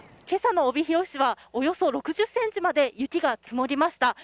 けさの帯広市はおよそ６０センチまで雪が積もりました。